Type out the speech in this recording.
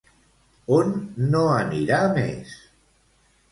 On no anirà més?